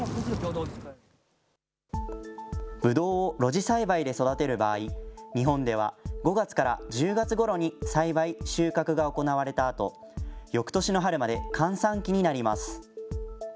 ぶどうを露地栽培で育てる場合、日本では、５月から１０月ごろに栽培・収穫が行われたあと、よくとしの春まで閑散期になります。